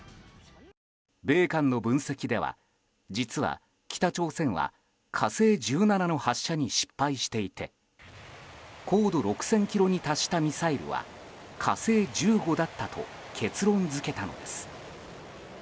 米韓の分析では、実は北朝鮮は「火星１７」の発射に失敗していて高度６０００ｋｍに達したミサイルは「火星１５」だったと結論付けたのです。